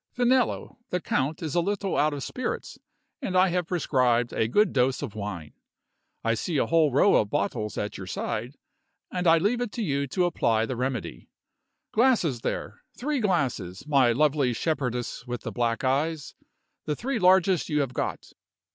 Finello, the count is a little out of spirits, and I have prescribed a good dose of wine. I see a whole row of bottles at your side, and I leave it to you to apply the remedy. Glasses there! three glasses, my lovely shepherdess with the black eyes the three largest you have got."